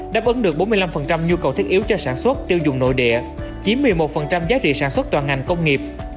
đáp ứng được bốn mươi năm nhu cầu thiết yếu cho sản xuất tiêu dùng nội địa chiếm một mươi một giá trị sản xuất toàn ngành công nghiệp